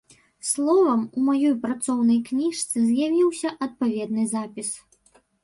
Словам, у маёй працоўнай кніжцы з'явіўся адпаведны запіс.